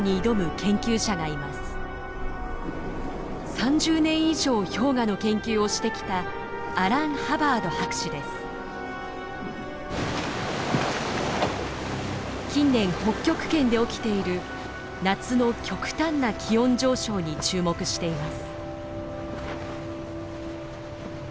３０年以上氷河の研究をしてきた近年北極圏で起きている夏の極端な気温上昇に注目しています。